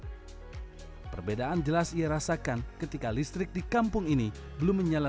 ada perbedaan jelas yara seakan ketika listrik di kampung ini belum menyala